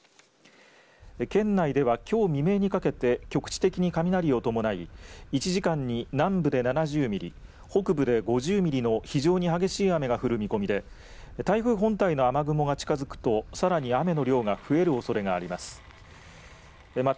県内では、きょう未明にかけて局地的に雷を伴い１時間に南部で７０ミリ北部で５０ミリの非常に激しい雨が降る見込みで台風本体の雨雲が近づくとさらに雨の量が増えるおそれがあります。